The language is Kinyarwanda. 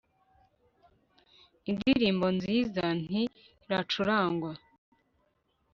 indirimbo nziza nti racurangwa